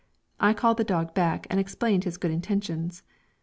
I called the dog back and explained his good intentions.